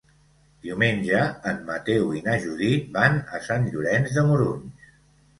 Diumenge en Mateu i na Judit van a Sant Llorenç de Morunys.